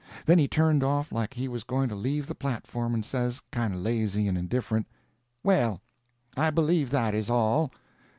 Then he turned off like he was going to leave the platform, and says, kind of lazy and indifferent: "Well, I believe that is all."